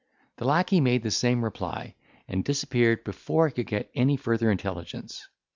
The lacquey made the same reply, and disappeared before I could get any further intelligence.